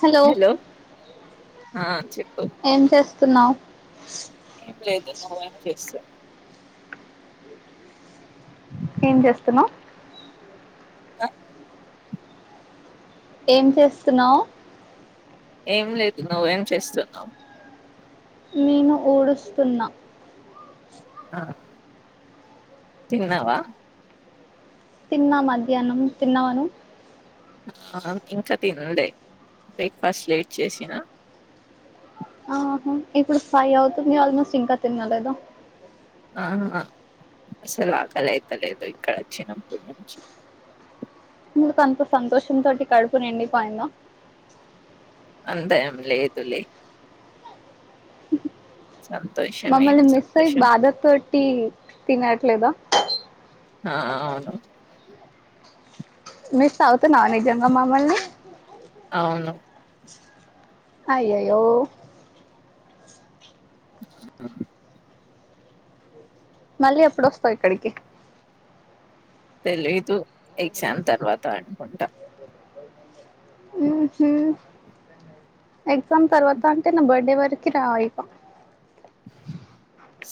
Hello ఆ చెప్ ఏం చేస్తున్నావ్ ఏం లేదు నువ్వ ఏం చేస్త ఏం చేస్తున్నావ్ ఆ ఏం చేస్తున్నావ్? ఏం లేదు నువ్వేం చేస్తున్నావ్? నేను ఊడుస్తున్నా ఆ తిన్నావా? తిన్నా మధ్యాహ్నం తిన్నావను ఆ ఇంకా తినుడే బ్రేక్ఫాస్ట్ లేట్ చేసినా ఆహా ఇప్పుడు ఫై అవుతుంది ఆల్మోస్ట్ ఇంకా తినలేదా. ఆహ అసలు ఆకలి అయితలేదు ఇక్కడ వచ్చినప్పుటి నుంచి ఎందుకు అంత సంతోషం తోటి కడుపు నిండిపోయింద అంతా ఏం లేదు లే మమ్మల్ని మిస్ అయి బాధ తోటి తినట్లేదా ఆ అవును మిస్ అవుతున్నవా నిజంగా మామల్ని అవును అయ్యయ్యో ఆ మళ్ళీ ఎప్పుడువస్తావు ఇక్కడికి? తెలీదు ఎగ్జామ్ తర్వాత అనుకుంటా ఉహు ఎగ్జామ్ తర్వాత అంటే నా బర్త్డే వరకి రాయి ఇక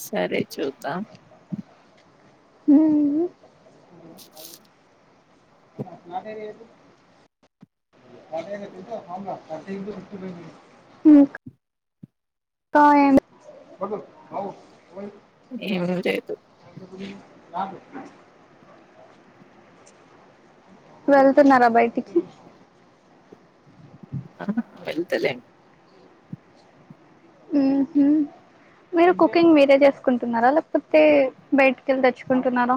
సరే చూద్దాం ఉహు [inaudible] నాదే లేదు ఉక్ తో ఏంది ఏమి లేదు రాదు వెళ్తున్నారా బయటికి? ఆ వెళ్తలే ఉహు మీరు కుకింగ్ మీరే చేసుకుంటున్నారా, లేకపోతే బయటికి వెళ్ళి తెచ్చుకుంటున్నారా?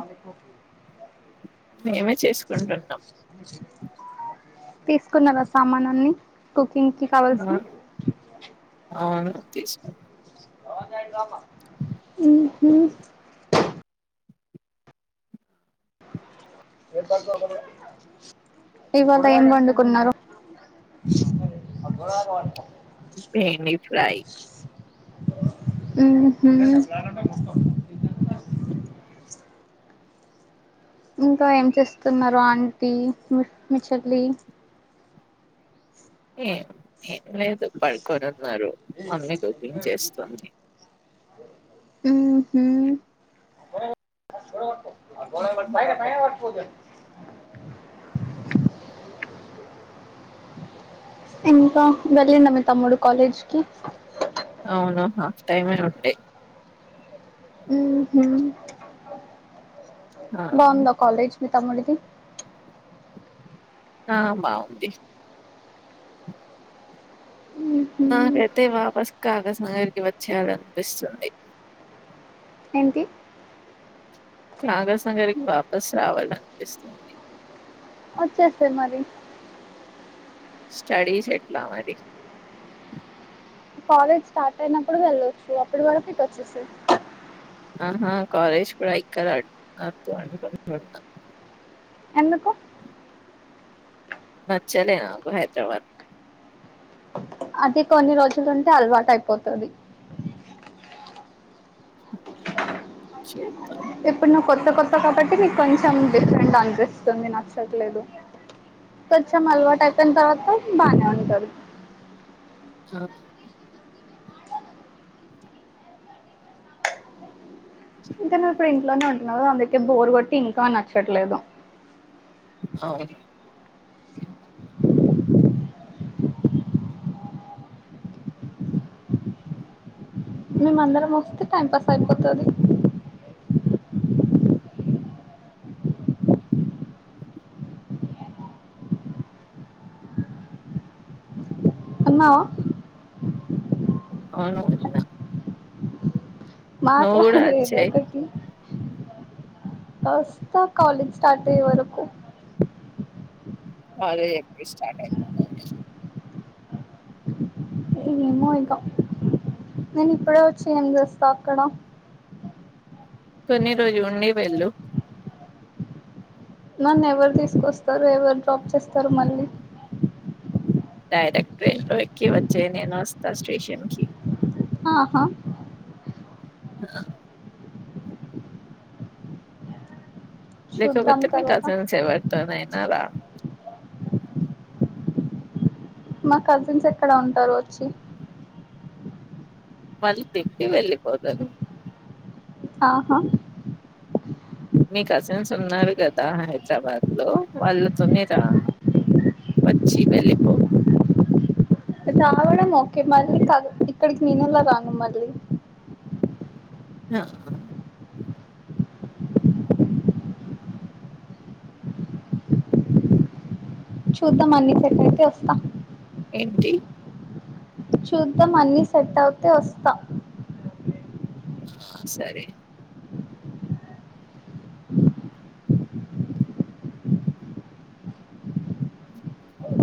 అ మేమే చేసుకుంటున్నాం. తీసుకున్నారా సామానాన్ని కు పింకీ కావల్సని తీస్ ఉహు ఇవాళ ఏం వండుకున్నారు? [unintelligible] భేనీ ఫ్రై ఉహు [inaudible] ఇంకా ఏం చేస్తున్నారు ఆంటీ, మీ చెల్లి? ఏం ఏం లేదు పడుకుని ఉన్ ఉన్నారు మమ్మీ కుకింగ్ చేస్తుంది ఉమ్మ్ హు ఆ గోడను పట్టుకో పైన పైన పట్టుకో ఇంకా వెళ్ళండ మీ తమ్ముడు కాలేజ్ కీ అవును ఆఫ్ టైమే ఉండే ఉ హుమ్మ్ ఆ బాగుందా కాలేజ్ మీ తమ్ముడిది ఆ బాగుంది ఉహు నాకైతే వాపస్ కాగజ్ నగర్ కి వచ్చారు అనిపిస్తుంది ఏంటి కాగజ్ నగర్ కి వాపస్ రావాలనిపిస్తుంది వచ్చేసేయ్ మరి స్టడీస్ ఎట్లా మరి కాలేజ్ స్టార్ట్ అయినప్పుడు వెళ్ళొచ్చు అప్పటివరకు ఇటు వచ్చేసేయ్ ఆహా కాలజ్ కూడా ఇక్కడ అద్దు అనుకుంటున్న ఎందుకు వచ్చేనె ఆస్ హైదరాబాద్ అది కొన్ని రోజులుంటే అలవాటు అయిపోతాది చూద్దాం ఇప్పుడు నువ్వు కొత్త కొత్త కాబట్టి నీకు కొంచెం డిఫరెంట్ అనిపిస్తుంది నచ్చట్లేదు కొంచం అలవాటు అయిపోయిన తర్వాత బానే ఉంటది ఆ అంటే నువ్వు ఇప్పుడు ఇంట్లోనే ఉంటున్నావ్ కదా అందుకే బోరు కొట్టి ఇంకా నచ్చట్లేదు అవును [inaudible] మేము అందరం వస్తే టైం పాస్ అయిపోతాది అన్నావా అవును నువ్వు కూడా మాట్లాడు ఏదో వచ్చేయ్ ఒకటి ఓస్తా కాలజ్ స్టార్ట్ అయ్యే వరకు అదే ఎప్పుడు స్టార్ట్ అవుతుంది మమో ఇక నేను ఇప్పుడే వచ్చి ఏం చేస్తా అక్కడ కొన్ని రోజు ఉండి వెళ్ళు నన్న ఎవరు తీసుకొస్తారు ఎవరు డ్రాప్ చేస్తారు మళ్ళీ డైరెక్ట్ ట్రైన్ లో ఎక్కి వచ్చెయ్ నేను వస్తా స్టేషన్ కి ఆహా [inaudible] చూద్దాం లేకపోతే మీ తర్వాత కజిన్స్ ఎవరితోనైనా రా మా కజిన్స్ ఎక్కడ ఉంటారు వచ్చి మళ్ళీ పెట్టి వెళ్ళిపోతారు ఆహా మీ కజిన్స్ ఉన్నారు కదా హైదరాబాద్ లో వాళ్ళతోనే రా వచ్చి వెళ్ళిపో రావడం ఓకే మళ్ళీ ఇక్కడికి నేను రాను మళ్ళీ ఆ హు చూద్దాం అన్ని సెట్ అయితే వస్తా ఏంటి చూద్దాం అన్ని సెట్ అవుతే వస్తా ఆ సరే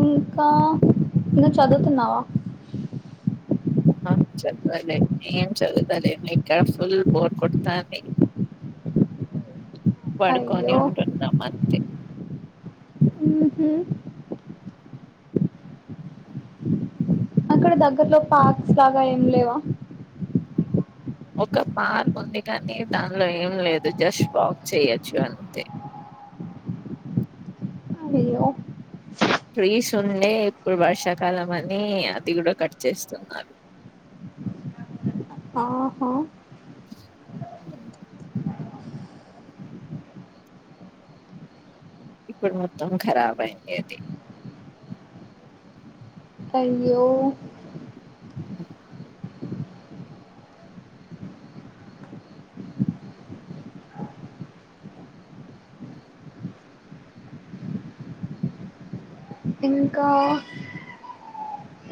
ఇంకా ఇంకా చదువుతున్నావా ఆ చదువులే ఏం చదువుతాలే మీకా ఫుల్ బోర్ కొడుతోంది పడుకొని అయ్యో ఉంటున్నాం అంతే ఉహు అక్కడ దగ్గర్లో పార్క్స్ లాగా ఏం లేవా ఒక పార్క్ ఉంది కానీ దానిలో ఏం లేదు జస్ట్ వాక్ చేయొచ్చు అంతే అయ్యో ట్రీస్ ఉండే ఇప్పుడు వర్షాకాలం అని అతి కూడా కట్ చేస్తున్నారు [inaudible] ఆహా అ ఇప్పుడు మొత్తం కరాబ్ అయింది అది అయ్యో [inaudible] ఇంకా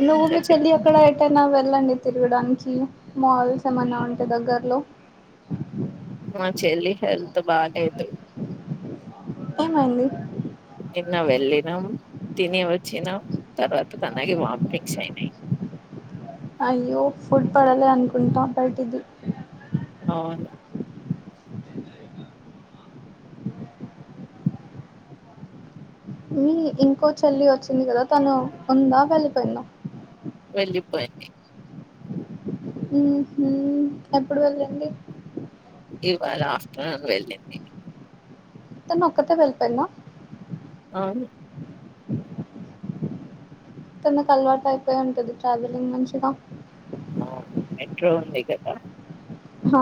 నువ్వు ఇంకా మీ చెల్లి చెప్పు ఎక్కడ ఎక్కడనా వెళ్ వెళ్లండి తిరగడానికి మాల్స్ ఏమన్నా ఉంటే దగ్గర్లో మా చెల్లి హెల్త్ బాగాలేదు ఏమైంది నిన్న వెళ్ళినాం తిని వచ్చినాం తర్వాత తనగి వాపిరింగ్స్ అయినాయి అయ్యో ఫుడ్ పడాలి అనుకుంటాం బయటిది అవును మీ ఇంకో చెల్లి వచ్చింది కదా తను ఉందా వెళ్ళిపోయిందా వెళ్ళిపోయింది హ్మ్ హ్మ్ ఎప్పుడు వెళ్ళండి ఇవాళ ఆఫ్టర్నూన్ వెళ్ళింది తానో ఒక్కతే వెళ్ళిపోయిందా అవును తనకు అలవాటు అయిపోయి ఉంటది ట్రావెలింగ్ మంచిగా అ మెట్రో ఉంది కదా అ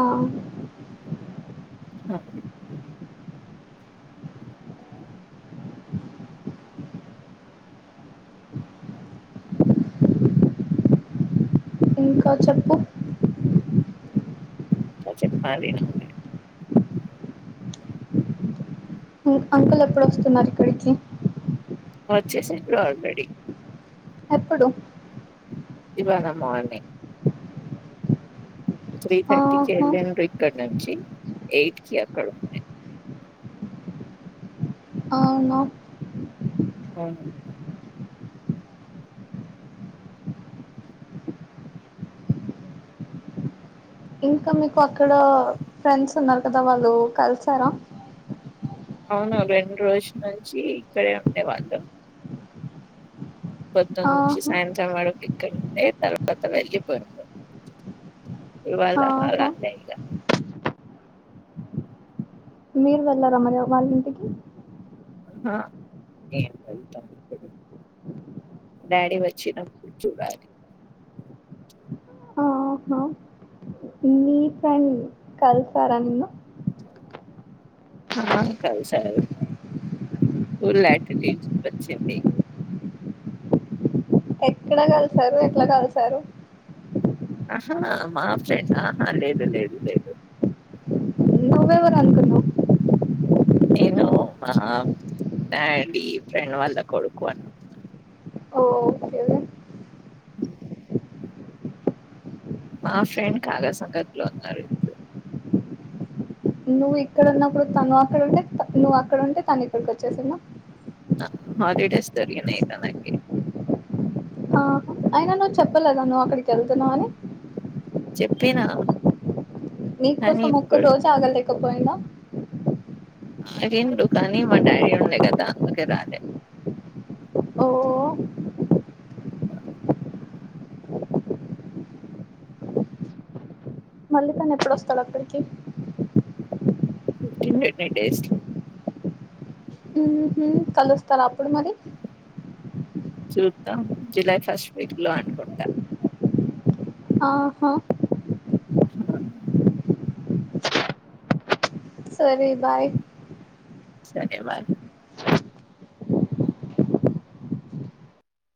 ఇంకా చెప్పు ఇంకా చెప్పాలి [inaudible] ఉ అంకుల్ ఎప్పుడు వస్తున్నారు ఇక్కడికి వచ్చేసిండ్రు ఆల్రెడీ ఎప్పుడు ఇవాళ మార్నింగ్ త్రీ థర్టీ కి ఆహా [unintelligible] ఇక్కనుంచి ఎయిట్ కి అక్కడ ఉంటాయి అవునా అవును ఇంకా మీకు అక్కడ ఫ్రెండ్స్ ఉన్నారు కదా వాళ్ళు కలిశారా అవును రెండు రోజుల నుంచి ఇక్కడే ఉండేవాళ్ళు పొద్దునుంచి ఆహా సాయంత్రం వాడు పక్కడ ఉడి తర్వాత వెళ్ళిపోయింది ఇవాళ ఆహా అంతే ఇంకా మీరు వెళ్లార మరి వ వాళ్ళ ఇంటికి ఆ ఏం [inaudible] డాడీ వచ్చినప్పుడు చూడాలి ఆహా మీ ఫ్రెండ్ కలుసారా నిన్న ఆ కలిశారు ఫుల్ యాటిట్యూడ్ వచ్చింది ఎక్కడ కలిసారు ఎట్లా కలిసారు ఆహా మా ఫ్రెండ్ ఆహా లేదు లేదు లేదు నువ్వు ఎవరు అనుకున్నావ్ నేను మా డాడీ ఫ్రెండ్ వాళ్ళ కొడుకు అనుకుున్నాను ఓకే మా ఫ్రెండ్ కాగా సంకట్లో ఉన్నారు ఇప్పుడు నువ్వు ఇక్కడ ఉన్నప్పుడు తను అక్కడ ఉంటే నువ్వు అక్కడ ఉంటే తను ఇక్కడికి వచ్చేసిందా హాలిడేస్ సరిగానే ఇలా నాకీ ఆ అయినా నువ్వు చెప్పలేదా నువ్వు అక్కడికి వెళ్తున్నావని ప్పిన నీ కోసం ఒక్క రోజు ఆగలేకపోయిండా అడిగిండు కానీ మా డాడీ ఉండ కదా అందుకే రాలే ఓ మల్లి తను ఎప్పుడొస్తాడు అక్కడికి ఫిఫ్టీన్ [unintelligible] డేస్ లొ ఉహు కలుస్తారా అప్పుడు మరి చూద్దాం జులై ఫస్ట్ వీక్ లో అనుకుంటా ఆహా ఆ, సరే బాయ్ సరే బాయ్